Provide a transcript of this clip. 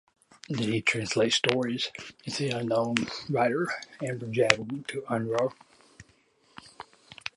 Then he translated stories of the renowned writer Amar Jaleel in Urdu.